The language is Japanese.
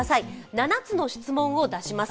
７つの質問を出します。